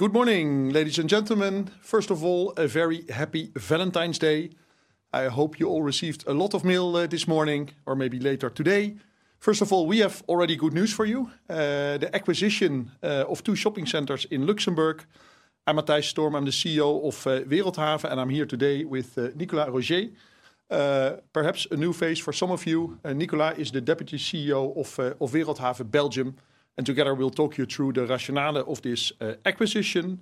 Good morning, ladies and gentlemen. First of all, a very happy Valentine's Day. I hope you all received a lot of mail this morning, or maybe later today. First of all, we have already good news for you: the acquisition of two shopping centers in Luxembourg. I'm Matthijs Storm, I'm the CEO of Wereldhave, and I'm here today with Nicolas Rosiers. Perhaps a new face for some of you. Nicolas is the Deputy CEO of Wereldhave Belgium, and together we'll talk you through the rationale of this acquisition.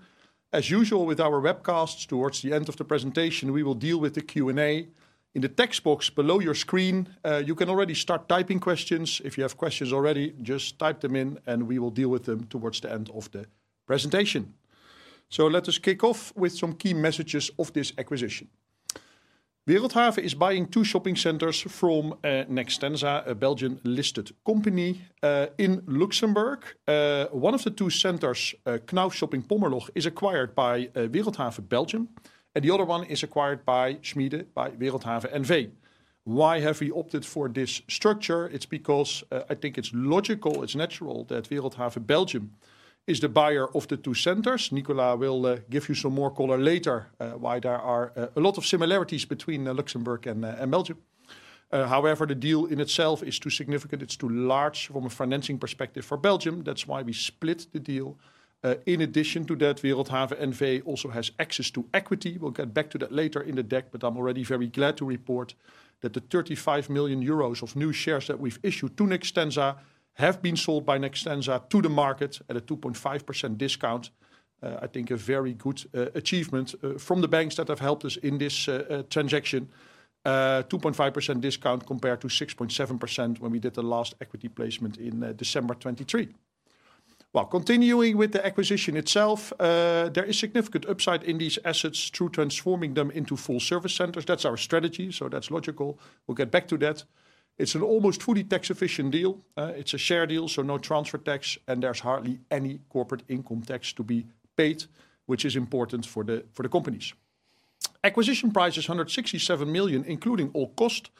As usual, with our webcast, towards the end of the presentation, we will deal with the Q&A. In the text box below your screen, you can already start typing questions. If you have questions already, just type them in, and we will deal with them towards the end of the presentation. So let us kick off with some key messages of this acquisition. Wereldhave is buying two shopping centers from Nextensa, a Belgian-listed company in Luxembourg. One of the two centers, Knauf Shopping Pommerloch, is acquired by Wereldhave Belgium, and the other one is acquired by Schmiede, by Wereldhave NV. Why have we opted for this structure? It's because I think it's logical, it's natural that Wereldhave Belgium is the buyer of the two centers. Nicolas will give you some more color later why there are a lot of similarities between Luxembourg and Belgium. However, the deal in itself is too significant. It's too large from a financing perspective for Belgium. That's why we split the deal. In addition to that, Wereldhave NV also has access to equity. We'll get back to that later in the deck, but I'm already very glad to report that the 35 million euros of new shares that we've issued to Nextensa have been sold by Nextensa to the market at a 2.5% discount. I think a very good achievement from the banks that have helped us in this transaction: a 2.5% discount compared to 6.7% when we did the last equity placement in December 2023. Continuing with the acquisition itself, there is significant upside in these assets through transforming them into full-service centers. That's our strategy, so that's logical. We'll get back to that. It's an almost fully tax-efficient deal. It's a share deal, so no transfer tax, and there's hardly any corporate income tax to be paid, which is important for the companies. Acquisition price is 167 million, including all cost.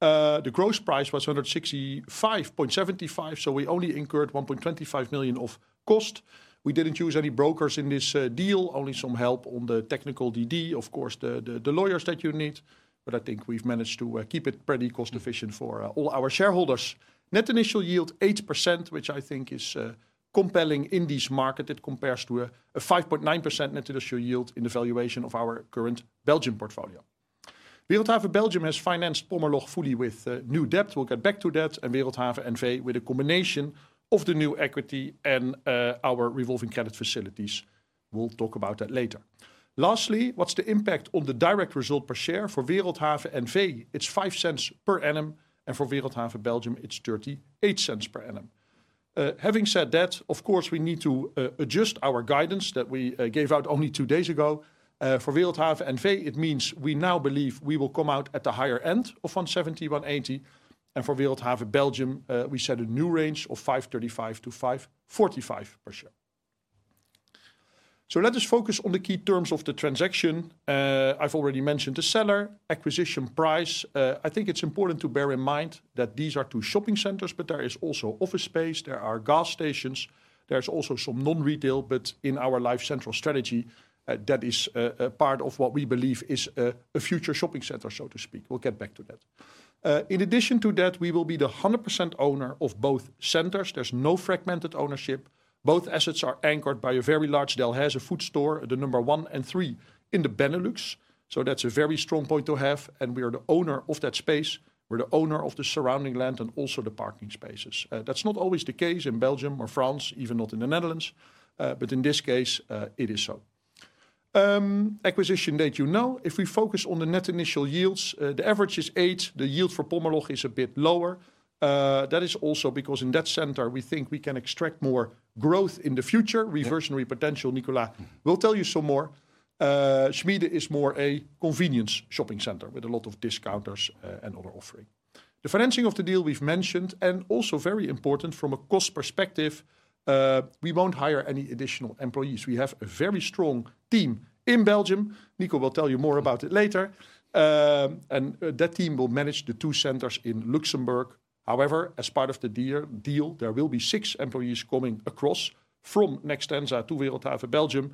The gross price was 165.75 million, so we only incurred 1.25 million of cost. We didn't use any brokers in this deal, only some help on the technical DD, of course, the lawyers that you need. But I think we've managed to keep it pretty cost-efficient for all our shareholders. Net initial yield, 8%, which I think is compelling in this market. It compares to a 5.9% net initial yield in the valuation of our current Belgian portfolio. Wereldhave Belgium has financed Pommerloch fully with new debt. We'll get back to that. And Wereldhave NV, with a combination of the new equity and our revolving credit facilities. We'll talk about that later. Lastly, what's the impact on the direct result per share? For Wereldhave NV, it's 0.05 per annum, and for Wereldhave Belgium, it's 0.38 per annum. Having said that, of course, we need to adjust our guidance that we gave out only two days ago. For Wereldhave NV, it means we now believe we will come out at the higher end of 1.70-1.80, and for Wereldhave Belgium, we set a new range of 5.35-5.45 per share, so let us focus on the key terms of the transaction. I've already mentioned the seller, acquisition price. I think it's important to bear in mind that these are two shopping centers, but there is also office space, there are gas stations, there's also some non-retail, but in our Life Central strategy, that is part of what we believe is a future shopping center, so to speak. We'll get back to that. In addition to that, we will be the 100% owner of both centers. There's no fragmented ownership. Both assets are anchored by a very large Delhaize food store, the number one and three in the Benelux. So that's a very strong point to have, and we are the owner of that space. We're the owner of the surrounding land and also the parking spaces. That's not always the case in Belgium or France, even not in the Netherlands, but in this case, it is so. Acquisition, did you know? If we focus on the net initial yields, the average is 8%. The yield for Pommerloch is a bit lower. That is also because in that center, we think we can extract more growth in the future. Reversionary potential, Nicolas will tell you some more. Schmiede is more a convenience shopping center with a lot of discounters and other offerings. The financing of the deal we've mentioned, and also very important from a cost perspective, we won't hire any additional employees. We have a very strong team in Belgium. Nico will tell you more about it later, and that team will manage the two centers in Luxembourg. However, as part of the deal, there will be six employees coming across from Nextensa to Wereldhave Belgium.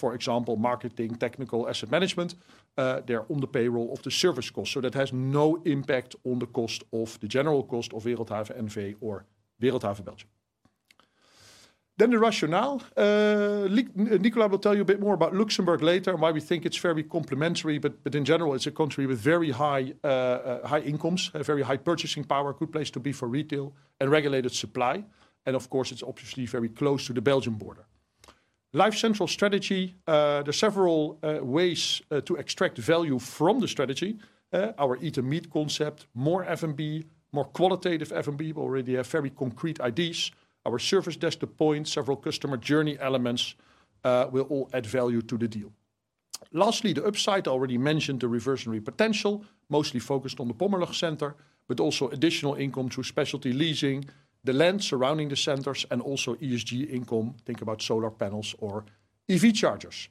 For example, marketing, technical, asset management. They're on the payroll of the service cost, so that has no impact on the cost of the general cost of Wereldhave NV or Wereldhave Belgium, then the rationale. Nicolas will tell you a bit more about Luxembourg later and why we think it's very complementary, but in general, it's a country with very high incomes, very high purchasing power, a good place to be for retail and regulated supply. And of course, it's obviously very close to the Belgian border. Life Central strategy, there are several ways to extract value from the strategy. Our Eat and Meet concept, more F&B, more qualitative F&B, we already have very concrete ideas. Our service desk, The Point, several customer journey elements will all add value to the deal. Lastly, the upside, I already mentioned the reversionary potential, mostly focused on the Pommerloch center, but also additional income through specialty leasing, the land surrounding the centers, and also ESG income, think about solar panels or EV chargers.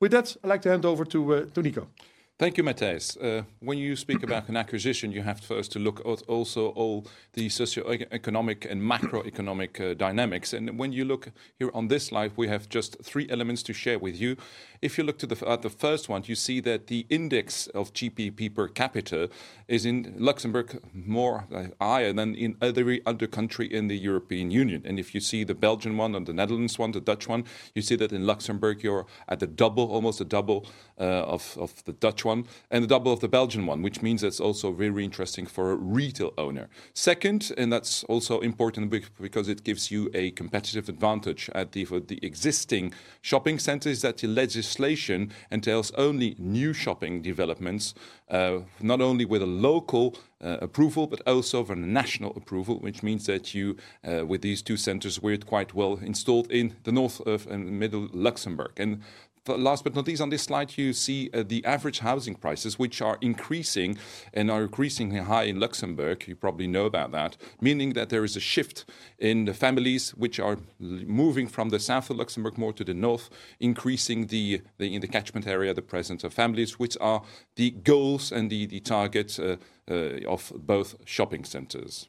With that, I'd like to hand over to Nico. Thank you, Matthijs. When you speak about an acquisition, you have first to look at also all the socioeconomic and macroeconomic dynamics, and when you look here on this slide, we have just three elements to share with you. If you look to the first one, you see that the index of GPP per capita is in Luxembourg more higher than in every other country in the European Union, and if you see the Belgian one or the Netherlands one, the Dutch one, you see that in Luxembourg, you're at the double, almost the double of the Dutch one, and the double of the Belgian one, which means it's also very interesting for a retail owner. Second, and that's also important because it gives you a competitive advantage at the existing shopping centers that the legislation entails only new shopping developments, not only with a local approval, but also for national approval, which means that you, with these two centers, we're quite well installed in the north of and middle Luxembourg. And last but not least, on this slide, you see the average housing prices, which are increasing and are increasingly high in Luxembourg. You probably know about that, meaning that there is a shift in the families which are moving from the south of Luxembourg more to the north, increasing the, in the catchment area, the presence of families, which are the goals and the targets of both shopping centers.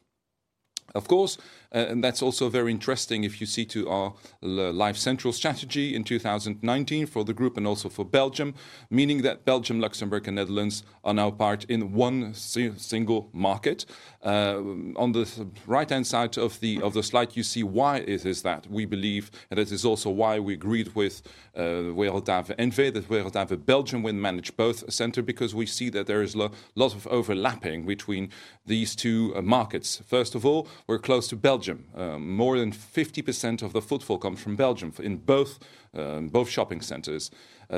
Of course, and that's also very interesting if you see to our Life Central strategy in 2019 for the group and also for Belgium, meaning that Belgium, Luxembourg, and Netherlands are now part in one single market. On the right-hand side of the slide, you see why it is that we believe, and this is also why we agreed with Wereldhave NV, that Wereldhave Belgium will manage both centers because we see that there is a lot of overlapping between these two markets. First of all, we're close to Belgium. More than 50% of the footfall comes from Belgium in both shopping centers.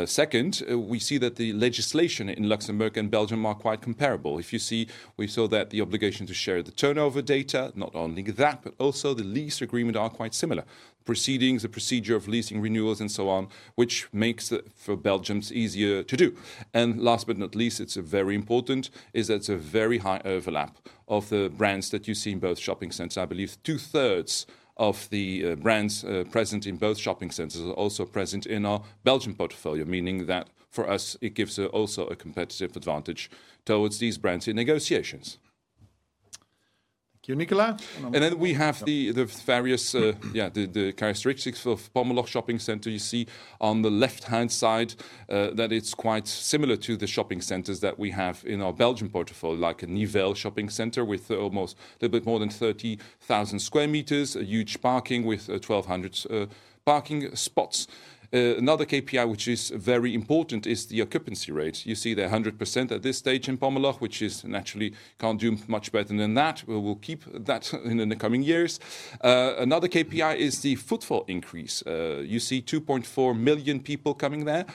Second, we see that the legislation in Luxembourg and Belgium are quite comparable. If you see, we saw that the obligation to share the turnover data, not only that, but also the lease agreement are quite similar. Proceedings, the procedure of leasing renewals and so on, which makes it for Belgians easier to do, and last but not least, it's very important that it's a very high overlap of the brands that you see in both shopping centers. I believe 2/3 of the brands present in both shopping centers are also present in our Belgian portfolio, meaning that for us, it gives also a competitive advantage towards these brands in negotiations. Thank you, Nicolas. And then we have the various, yeah, the characteristics of Pommerloch Shopping Center. You see on the left-hand side that it's quite similar to the shopping centers that we have in our Belgian portfolio, like a Nivelles Shopping Center with almost a little bit more than 30,000 sq m, a huge parking with 1,200 parking spots. Another KPI, which is very important, is the occupancy rate. You see the 100% at this stage in Pommerloch, which is naturally can't do much better than that. We will keep that in the coming years. Another KPI is the footfall increase. You see 2.4 million people coming there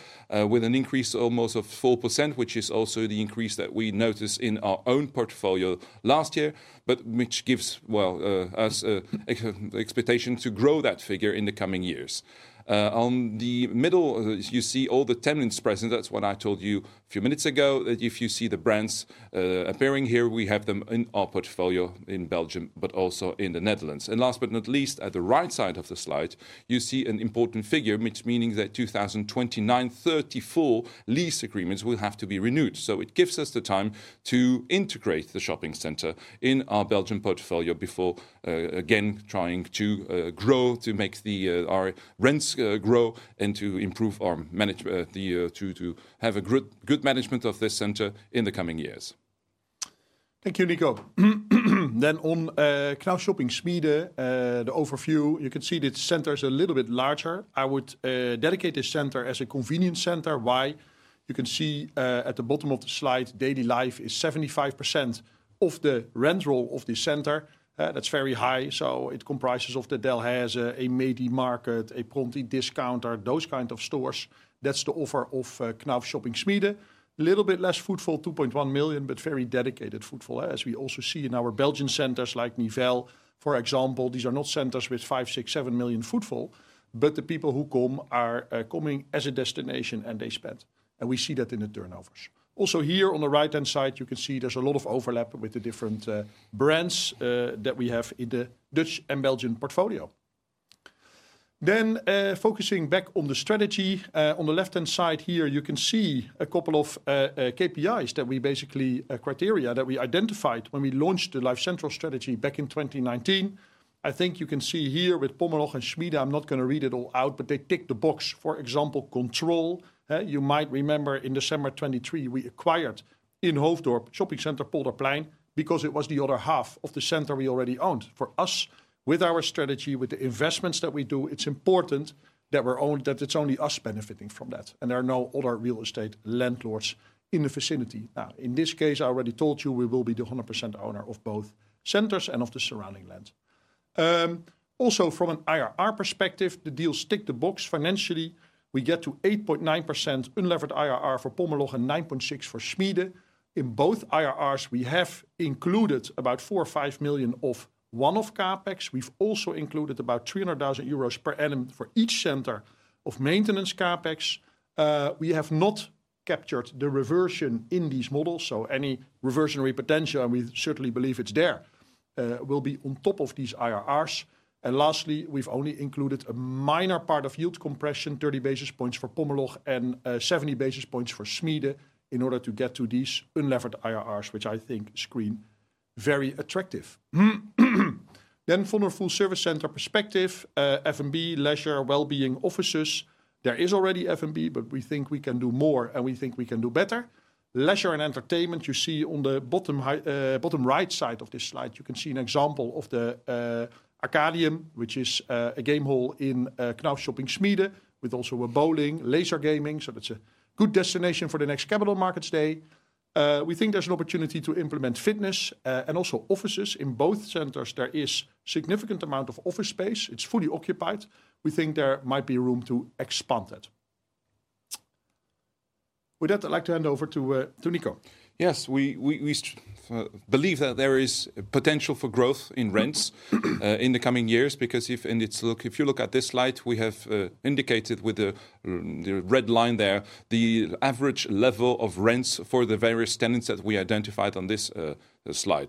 with an increase almost of 4%, which is also the increase that we noticed in our own portfolio last year, but which gives, well, us an expectation to grow that figure in the coming years. On the middle, you see all the tenants present. That's what I told you a few minutes ago, that if you see the brands appearing here, we have them in our portfolio in Belgium, but also in the Netherlands. And last but not least, at the right side of the slide, you see an important figure, which means that in 2029, 34 lease agreements will have to be renewed. So it gives us the time to integrate the shopping center in our Belgian portfolio before again trying to grow, to make our rents grow and to improve our management, to have a good management of this center in the coming years. Thank you, Nico. Then on Knauf Shopping Schmiede, the overview, you can see the center is a little bit larger. I would dedicate this center as a convenience center. Why? You can see at the bottom of the slide, Daily Life is 75% of the rental of the center. That's very high. So it comprises of the Delhaize, a Medi-Market, a Pronti discounter, those kinds of stores. That's the offer of Knauf Shopping Schmiede. A little bit less footfall, 2.1 million, but very dedicated footfall. As we also see in our Belgian centers like Nivelles, for example, these are not centers with five, six, seven million footfall, but the people who come are coming as a destination and they spend. And we see that in the turnovers. Also here on the right-hand side, you can see there's a lot of overlap with the different brands that we have in the Dutch and Belgian portfolio. Then focusing back on the strategy, on the left-hand side here, you can see a couple of KPIs that we basically, criteria that we identified when we launched the Life Central strategy back in 2019. I think you can see here with Pommerloch and Schmiede, I'm not going to read it all out, but they tick the box. For example, control. You might remember in December 2023, we acquired in Hoofddorp Shopping Center, Polderplein, because it was the other half of the center we already owned. For us, with our strategy, with the investments that we do, it's important that we're only, that it's only us benefiting from that. And there are no other real estate landlords in the vicinity. Now, in this case, I already told you we will be the 100% owner of both centers and of the surrounding land. Also, from an IRR perspective, the deal ticked the box financially. We get to 8.9% unlevered IRR for Pommerloch and 9.6% for Schmiede. In both IRRs, we have included about 4 million or 5 million of one-off CapEx. We've also included about 300,000 euros per annum for each center of maintenance CapEx. We have not captured the reversion in these models. So any reversionary potential, and we certainly believe it's there, will be on top of these IRRs. And lastly, we've only included a minor part of yield compression, 30 basis points for Pommerloch and 70 basis points for Schmiede in order to get to these unlevered IRRs, which I think screen very attractive. Then from a Full Service Center perspective, F&B, leisure, well-being offices. There is already F&B, but we think we can do more and we think we can do better. Leisure and entertainment, you see on the bottom right side of this slide, you can see an example of the Arcadium, which is a game hall in Knauf Shopping Schmiede, with also a bowling, laser gaming. So that's a good destination for the next Capital Markets Day. We think there's an opportunity to implement fitness and also offices. In both centers, there is a significant amount of office space. It's fully occupied. We think there might be room to expand it. With that, I'd like to hand over to Nico. Yes, we believe that there is potential for growth in rents in the coming years because if you look at this slide, we have indicated with the red line there the average level of rents for the various tenants that we identified on this slide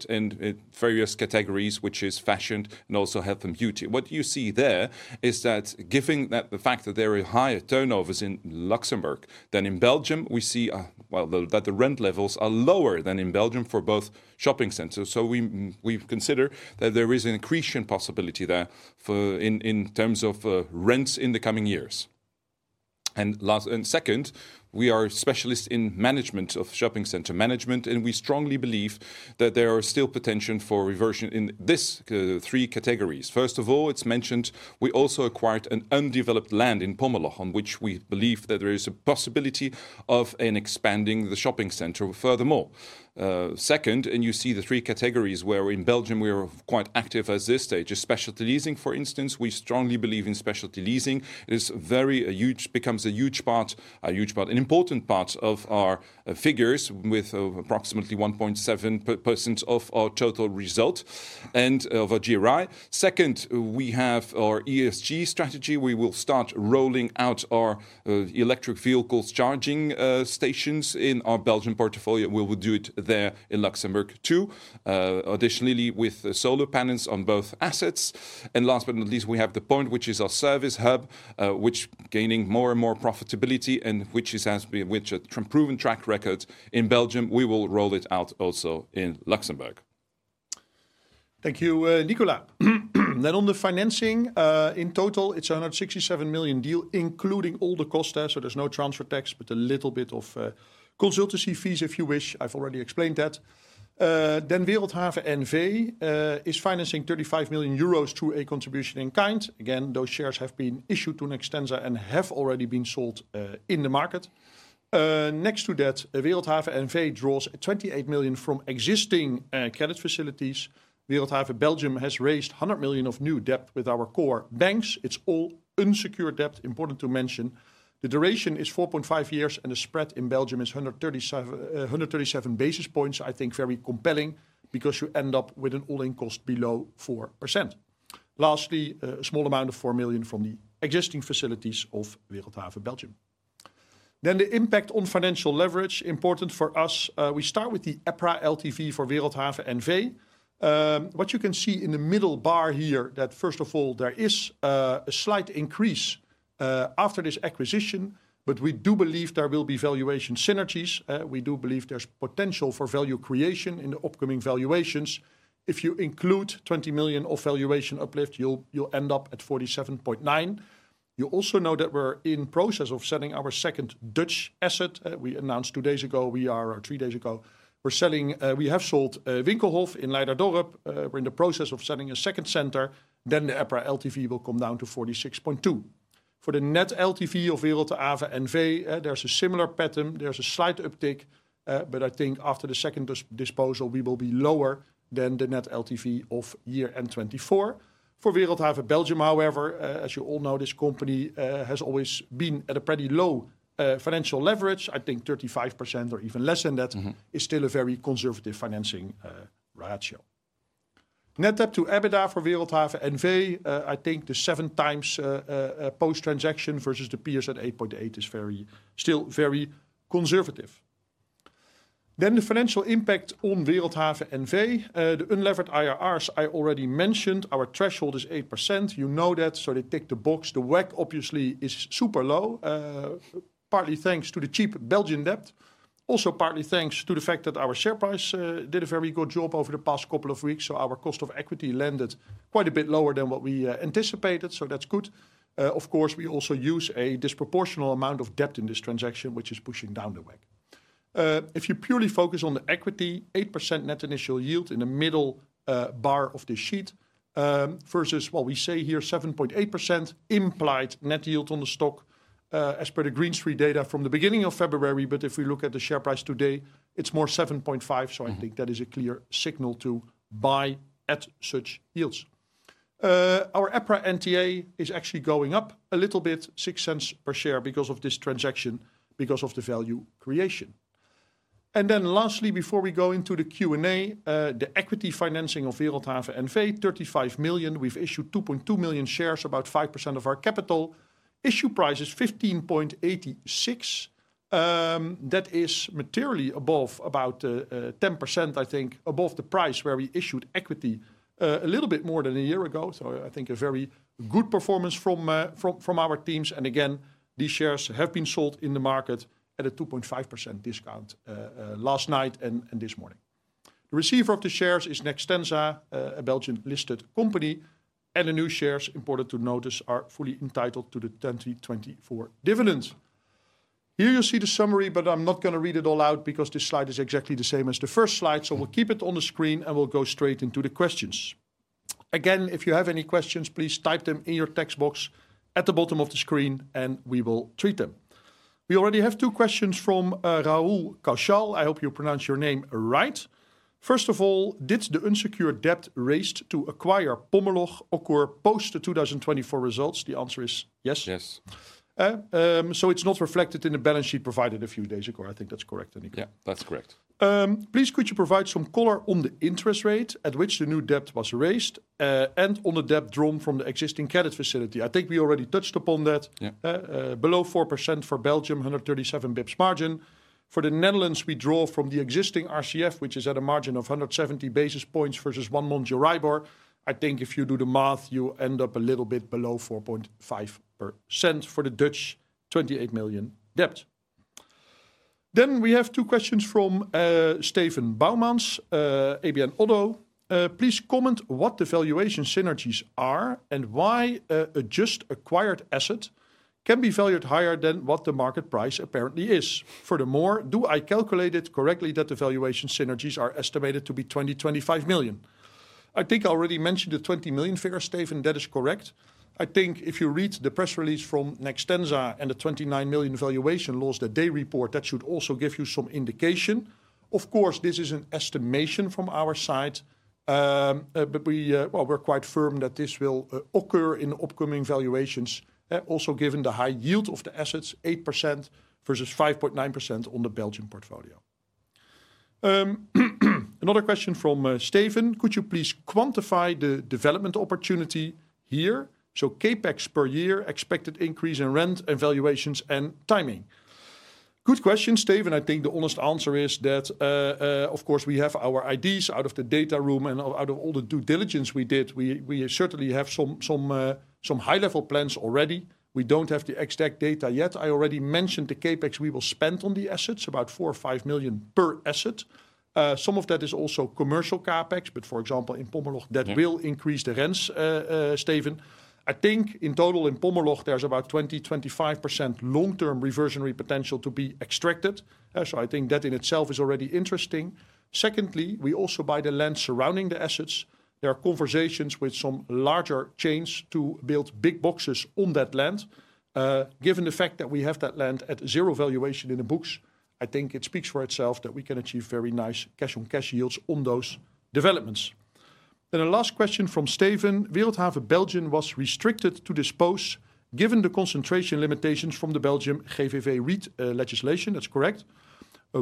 and various categories, which is fashion and also health and beauty. What you see there is that given that the fact that there are higher turnovers in Luxembourg than in Belgium, we see that the rent levels are lower than in Belgium for both shopping centers, so we consider that there is an increasing possibility there in terms of rents in the coming years, and second, we are specialists in management of shopping center management, and we strongly believe that there is still potential for reversion in these three categories. First of all, it's mentioned we also acquired an undeveloped land in Pommerloch on which we believe that there is a possibility of expanding the shopping center furthermore. Second, and you see the three categories where in Belgium we are quite active at this stage, specialty leasing, for instance, we strongly believe in specialty leasing. It is very huge, becomes a huge part, a huge part, an important part of our figures with approximately 1.7% of our total result and of our GRI. Second, we have our ESG strategy. We will start rolling out our electric vehicles charging stations in our Belgian portfolio. We will do it there in Luxembourg too, additionally with solar panels on both assets. And last but not least, we have The Point, which is our service hub, which is gaining more and more profitability and which has been with a proven track record in Belgium. We will roll it out also in Luxembourg. Thank you, Nicolas. Then on the financing, in total, it's a 167 million deal, including all the cost there. So there's no transfer tax, but a little bit of consultancy fees if you wish. I've already explained that. Then Wereldhave NV is financing 35 million euros through a contribution in kind. Again, those shares have been issued to Nextensa and have already been sold in the market. Next to that, Wereldhave NV draws 28 million from existing credit facilities. Wereldhave Belgium has raised 100 million of new debt with our core banks. It's all unsecured debt, important to mention. The duration is 4.5 years and the spread in Belgium is 137 basis points. I think very compelling because you end up with an all-in cost below 4%. Lastly, a small amount of 4 million from the existing facilities of Wereldhave Belgium. Then the impact on financial leverage, important for us. We start with the EPRA LTV for Wereldhave NV. What you can see in the middle bar here, that first of all, there is a slight increase after this acquisition, but we do believe there will be valuation synergies. We do believe there's potential for value creation in the upcoming valuations. If you include 20 million of valuation uplift, you'll end up at 47.9%. You also know that we're in process of selling our second Dutch asset. We announced two days ago, we are three days ago, we're selling, we have sold Winkelhof in Leiderdorp. We're in the process of selling a second center. Then the EPRA LTV will come down to 46.2%. For the net LTV of Wereldhave NV, there's a similar pattern. There's a slight uptick, but I think after the second disposal, we will be lower than the net LTV of year-end 2024. For Wereldhave Belgium, however, as you all know, this company has always been at a pretty low financial leverage. I think 35% or even less than that is still a very conservative financing ratio. Net debt-to-EBITDA for Wereldhave NV, I think the 7x post transaction versus the peers at 8.8 is very still very conservative. Then the financial impact on Wereldhave NV, the unlevered IRRs I already mentioned, our threshold is 8%. You know that, so they tick the box. The WACC obviously is super low, partly thanks to the cheap Belgian debt, also partly thanks to the fact that our share price did a very good job over the past couple of weeks. So our cost of equity landed quite a bit lower than what we anticipated. So that's good. Of course, we also use a disproportional amount of debt in this transaction, which is pushing down the WACC. If you purely focus on the equity, 8% net initial yield in the middle bar of the sheet versus what we say here, 7.8% implied net yield on the stock as per the Green Street data from the beginning of February. But if we look at the share price today, it's more 7.5%. So I think that is a clear signal to buy at such yields. Our EPRA NTA is actually going up a little bit, 0.06 per share because of this transaction, because of the value creation. And then lastly, before we go into the Q&A, the equity financing of Wereldhave NV, 35 million. We've issued 2.2 million shares, about 5% of our capital. Issue price is 15.86. That is materially above about 10%, I think, above the price where we issued equity a little bit more than a year ago. So I think a very good performance from our teams. And again, these shares have been sold in the market at a 2.5% discount last night and this morning. The receiver of the shares is Nextensa, a Belgian listed company. And the new shares, important to notice, are fully entitled to the 2024 dividend. Here you see the summary, but I'm not going to read it all out because this slide is exactly the same as the first slide. So we'll keep it on the screen and we'll go straight into the questions. Again, if you have any questions, please type them in your text box at the bottom of the screen and we will treat them. We already have two questions from Rahul Kaushal. I hope you pronounce your name right. First of all, did the unsecured debt raised to acquire Pommerloch occur post the 2024 results? The answer is yes. Yes. So it's not reflected in the balance sheet provided a few days ago. I think that's correct, Nico. Yeah, that's correct. Please could you provide some color on the interest rate at which the new debt was raised and on the debt drawn from the existing credit facility? I think we already touched upon that. Below 4% for Belgium, 137 basis points margin. For the Netherlands, we draw from the existing RCF, which is at a margin of 170 basis points versus one-month Euribor. I think if you do the math, you end up a little bit below 4.5% for the Dutch, 28 million debt. Then we have two questions from Steven Boumans, ABN - ODDO. Please comment what the valuation synergies are and why a just acquired asset can be valued higher than what the market price apparently is. Furthermore, do I calculate it correctly that the valuation synergies are estimated to be 20 million-25 million? I think I already mentioned the 20 million figure, Steven, that is correct. I think if you read the press release from Nextensa and the 29 million valuation loss that they report, that should also give you some indication. Of course, this is an estimation from our side, but we are quite firm that this will occur in the upcoming valuations, also given the high yield of the assets, 8% versus 5.9% on the Belgian portfolio. Another question from Steven, could you please quantify the development opportunity here? So CapEx per year, expected increase in rent and valuations and timing. Good question, Steven. I think the honest answer is that, of course, we have our ideas out of the data room and out of all the due diligence we did. We certainly have some high-level plans already. We don't have the exact data yet. I already mentioned the CapEx we will spend on the assets, about 4 million or 5 million per asset. Some of that is also commercial CapEx, but for example, in Pommerloch, that will increase the rents, Steven. I think in total in Pommerloch, there's about 20%-25% long-term reversionary potential to be extracted. So I think that in itself is already interesting. Secondly, we also buy the land surrounding the assets. There are conversations with some larger chains to build big boxes on that land. Given the fact that we have that land at zero valuation in the books, I think it speaks for itself that we can achieve very nice cash-on-cash yields on those developments. And a last question from Steven. Wereldhave Belgium was restricted to dispose given the concentration limitations from the Belgian GVV REIT legislation. That's correct.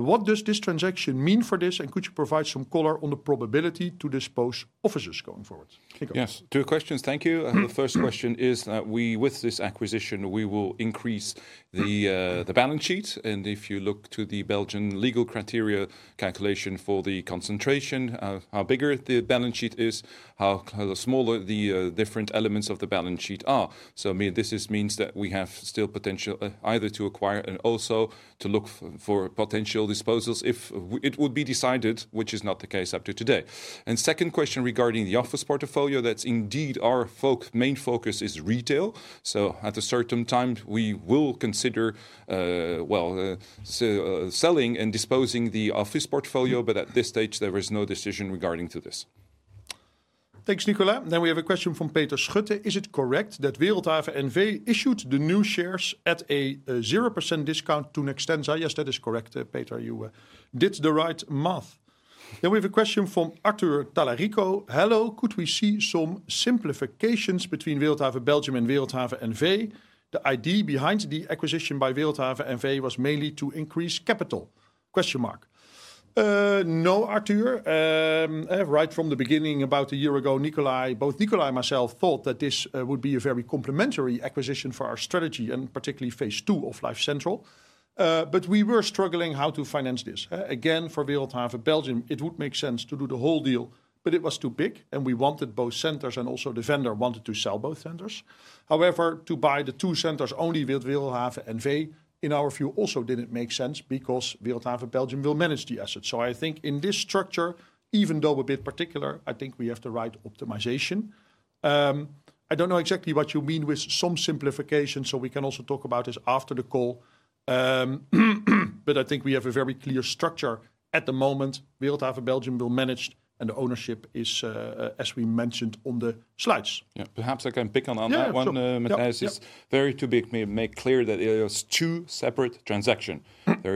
What does this transaction mean for this? And could you provide some color on the probability to dispose offices going forward? Yes, two questions. Thank you. The first question is that we, with this acquisition, we will increase the balance sheet. And if you look to the Belgian legal criteria calculation for the concentration, how bigger the balance sheet is, how smaller the different elements of the balance sheet are. So this means that we have still potential either to acquire and also to look for potential disposals if it would be decided, which is not the case up to today. And second question regarding the office portfolio, that's indeed our main focus is retail. So at a certain time, we will consider, well, selling and disposing the office portfolio, but at this stage, there is no decision regarding to this. Thanks, Nicolas. Then we have a question from Peter Schutte. Is it correct that Wereldhave NV issued the new shares at a 0% discount to Nextensa? Yes, that is correct, Peter. You did the right math. Then we have a question from Arthur Talarico. Hello, could we see some simplifications between Wereldhave Belgium and Wereldhave NV? The idea behind the acquisition by Wereldhave NV was mainly to increase capital? No, Arthur. Right from the beginning, about a year ago, Nicolas, both Nicolas and myself thought that this would be a very complementary acquisition for our strategy and particularly phase II of Life Central. But we were struggling how to finance this. Again, for Wereldhave Belgium, it would make sense to do the whole deal, but it was too big and we wanted both centers and also the vendor wanted to sell both centers. However, to buy the two centers only with Wereldhave NV, in our view, also didn't make sense because Wereldhave Belgium will manage the assets. So I think in this structure, even though a bit particular, I think we have the right optimization. I don't know exactly what you mean with some simplification, so we can also talk about this after the call. But I think we have a very clear structure at the moment. Wereldhave Belgium will manage and the ownership is, as we mentioned on the slides. Yeah, perhaps I can pick on that one. Matthijs is very too big to make clear that it was two separate transactions. There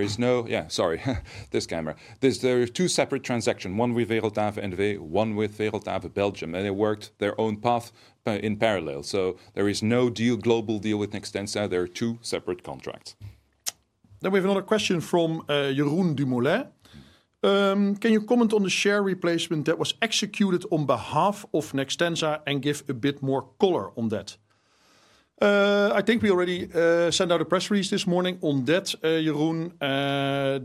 are two separate transactions, one with Wereldhave NV, one with Wereldhave Belgium. And they worked their own path in parallel. So there is no deal, global deal with Nextensa. There are two separate contracts. Then we have another question from Jeroen De Molder. Can you comment on the share replacement that was executed on behalf of Nextensa and give a bit more color on that? I think we already sent out a press release this morning on that, Jeroen.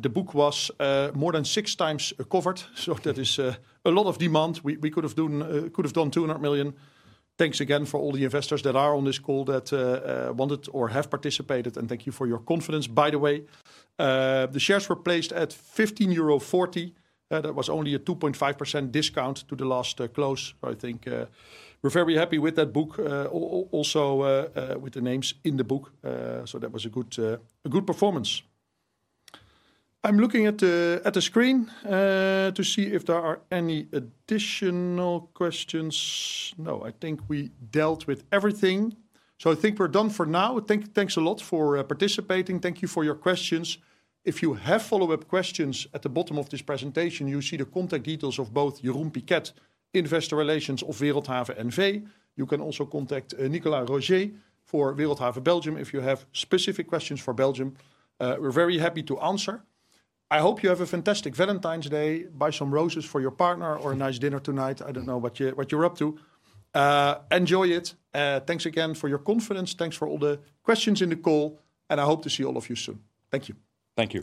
The book was more than six times covered. So that is a lot of demand. We could have done 200 million. Thanks again for all the investors that are on this call that wanted or have participated. And thank you for your confidence, by the way. The shares were placed at 15.40 euro. That was only a 2.5% discount to the last close. I think we're very happy with that book, also with the names in the book. So that was a good performance. I'm looking at the screen to see if there are any additional questions. No, I think we dealt with everything. So I think we're done for now. Thanks a lot for participating. Thank you for your questions. If you have follow-up questions at the bottom of this presentation, you see the contact details of both Jeroen Piket, investor relations of Wereldhave NV. You can also contact Nicolas Rosiers for Wereldhave Belgium if you have specific questions for Belgium. We're very happy to answer. I hope you have a fantastic Valentine's Day. Buy some roses for your partner or a nice dinner tonight. I don't know what you're up to. Enjoy it. Thanks again for your confidence. Thanks for all the questions in the call, and I hope to see all of you soon. Thank you. Thank you.